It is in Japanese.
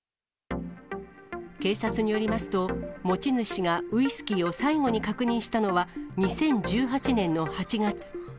警察によりますと、持ち主がウイスキーを最後に確認したのは、２０１８年の８月。